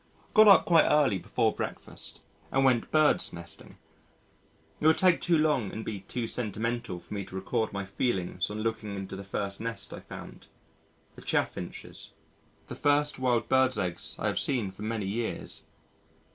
Got up quite early before breakfast and went birds' nesting.... It would take too long and be too sentimental for me to record my feelings on looking into the first nest I found a Chaffinch's, the first wild bird's eggs I have seen for many years.